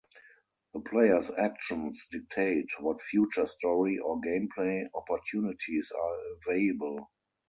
The player's actions dictate what future story or gameplay opportunities are available.